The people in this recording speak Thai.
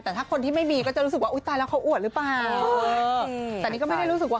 แต่ถ้าคนที่ไม่มีก็จะรู้สึกว่าอุ๊ยตายแล้วเขาอวดหรือเปล่า